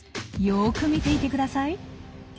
よく見ていてください。